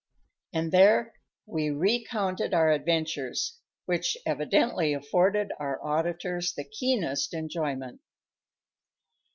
And there we recounted our adventures, which evidently afforded our auditors the keenest enjoyment.